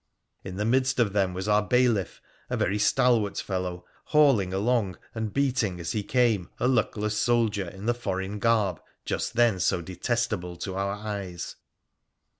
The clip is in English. In the midst of them was our bailiff, a very stalwart fellow, haul ing along and beating as he came a luckless soldier in the foreign garb just then so detestable to our eyes.